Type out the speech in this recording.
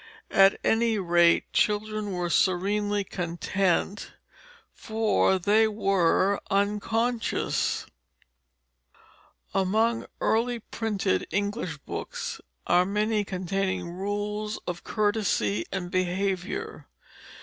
At any rate children were serenely content, for they were unconscious. [Illustration: The Pepperell Children] Among early printed English books are many containing rules of courtesy and behavior.